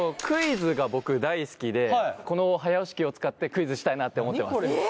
クイズが僕大好きでこの早押し機を使ってクイズしたいなって思ってます